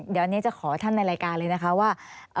เดี๋ยวนี้จะขอท่านในรายการเลยนะคะว่า